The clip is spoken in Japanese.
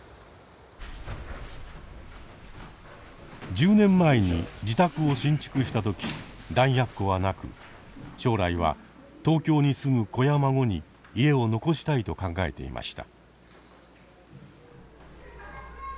１０年前に自宅を新築した時弾薬庫はなく将来は東京に住む子や孫に家を残したいと考えていました。